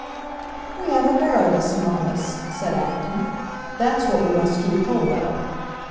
"We have a Baroness among us," said Acton. "That's what we must keep hold of!"